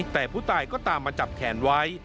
แต่ผู้ตายก็ตามมาจับแขนไว้